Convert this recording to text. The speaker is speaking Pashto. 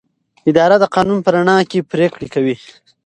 اداره د قانون په رڼا کې پریکړې کوي.